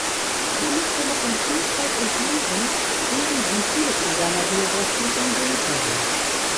Die Umstände von Kindheit und Jugend liegen, wie vieles in seiner Biographie, im Dunkeln.